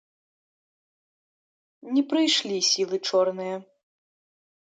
Не прыйшлі сілы чорныя.